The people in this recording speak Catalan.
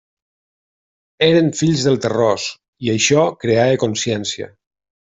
Eren fills del terròs, i això creava consciència.